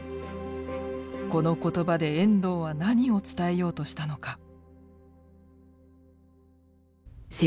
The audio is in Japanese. この言葉で遠藤は何を伝えようとしたのか。